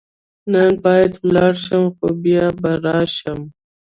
نن باید ولاړ شم، خو بیا به راشم.